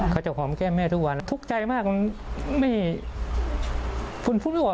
เขาจะหอมแก้มแม่ทุกวันทุกข์ใจมากมันไม่คุณพูดไม่ออก